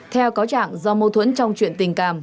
theo cáo trạng do mâu thuẫn trong chuyện tình cảm